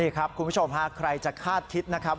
คุณผู้ชมฮะใครจะคาดคิดนะครับ